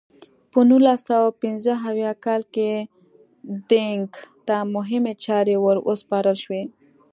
په نولس سوه پنځه اویا کال کې دینګ ته مهمې چارې ور وسپارل شوې.